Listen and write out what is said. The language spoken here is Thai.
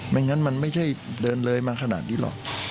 งั้นมันไม่ใช่เดินเลยมาขนาดนี้หรอก